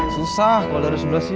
susah kalau dari sebelah sini